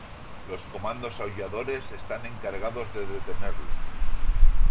Los Comandos Aulladores están encargados de detenerlo.